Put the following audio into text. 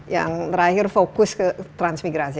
yang terakhir fokus ke transmigrasi